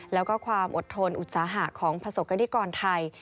แล้วก็ความอดทนอุตสาหะของประสบกรณิกรไทย